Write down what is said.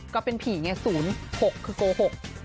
ก็เป็นผีไง๐๖คือโกหก